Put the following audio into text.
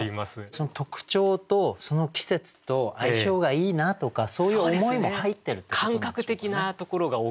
その特徴とその季節と相性がいいなとかそういう思いも入ってるってことなんでしょうかね。